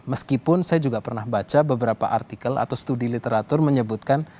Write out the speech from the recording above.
meskipun saya juga pernah baca beberapa artikel atau studi literatur menyebutkan